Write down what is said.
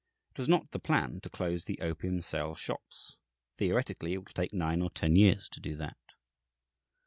It was not the plan to close the opium sale shops; theoretically, it will take nine or ten years to do that.